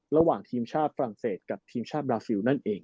ระหว่างทีมชาติฝรั่งเศสกับทีมชาติบราซิลนั่นเอง